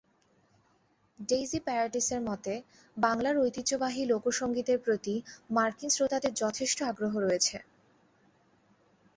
Daisy প্যারাডিসের মতে, বাংলার ঐতিহ্যবাহী লোকসংগীতের প্রতি মার্কিন শ্রোতাদের যথেষ্ট আগ্রহ রয়েছে।